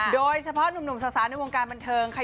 โดยเฉพาะหนุ่มสาวในวงการบันเทิงค่ะ